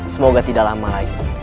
semoga tidak lama lagi